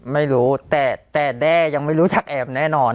ไม่รู้แต่แด้ยังไม่รู้จักแอมแน่นอน